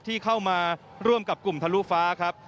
ที่เข้ามาร่วมกับกลุ่มทะลุฟ้าครับ